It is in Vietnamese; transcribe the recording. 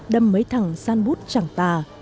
đâm mấy thằng san bút chẳng tà